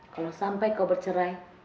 kalau sampai kau bercerai